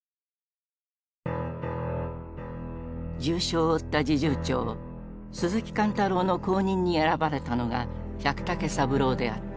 重傷を負った侍従長鈴木貫太郎の後任に選ばれたのが百武三郎であった。